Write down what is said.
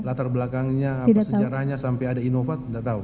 latar belakangnya apa sejarahnya sampai ada inova tidak tahu